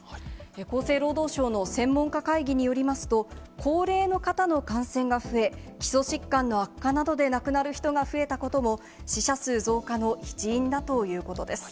厚生労働省の専門家会議によりますと、高齢の方の感染が増え、基礎疾患の悪化などで亡くなる人が増えたことも死者数増加の一因だということです。